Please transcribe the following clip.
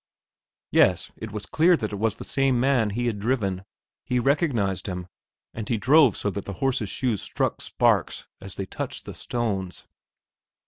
Yes, it was clear that it was the same man he had driven. He recognized him and he drove so that the horse's shoes struck sparks as they touched the stones.